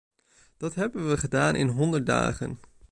Dat hebben we gedaan in honderd dagen.